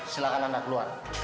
silahkan anda keluar